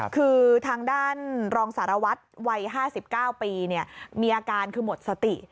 คือทางด้านรองสารวัตรวัย๕๙ปีมีอาการคือหมดสติ